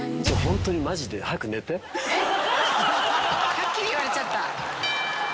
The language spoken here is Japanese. はっきり言われちゃった。